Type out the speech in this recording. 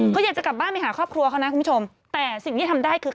เขาอยากจะกลับบ้านไปหาครอบครัวเขานะคุณผู้ชมแต่สิ่งที่ทำได้คือ